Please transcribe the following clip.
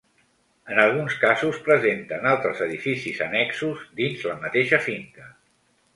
En alguns casos presenten altres edificis annexos dins la mateixa finca.